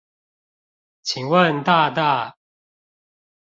請問大大